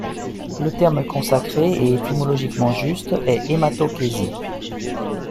Le terme consacré et étymologiquement juste est hématochézie.